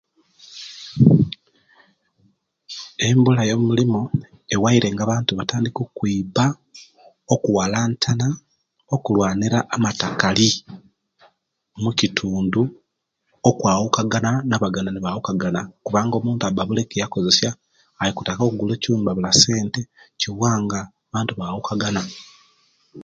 Embula yomulimu ewaire nga abantu batandika okwiba, okuwalantana okulwanira amatakali mukitundu, okwaukagana abaganda nibabukagana kubanga omuntu aba abula ekiyakozesya aikutaka ogula cumbi kiwa nga abantu babukagana